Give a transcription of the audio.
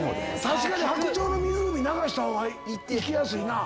確かに『白鳥の湖』流した方がいきやすいな。